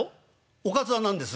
「おかずは何です？」。